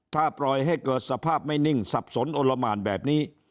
ถ้าปล่อยให้เกิดสภาพไม่นิ่งสับสนอนละหมานแบบนี้